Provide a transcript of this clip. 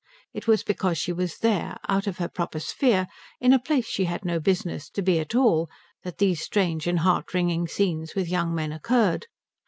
It was because she was there, out of her proper sphere, in a place she had no business to be in at all, that these strange and heart wringing scenes with young men occurred.